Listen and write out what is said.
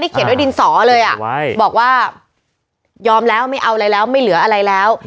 เขียนด้วยดินสอเลยบอกว่ายอมแล้วไม่เอาอะไรแล้วไม่เหลืออะไรแล้ว